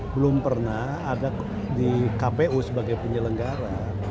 belum pernah ada di kpu sebagai penyelenggara